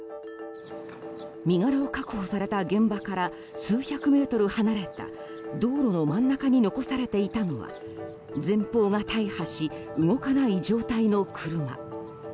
身柄を確保された現場から数百メートル離れた道路の真ん中に残されていたのは前方が大破し動かない状態の車。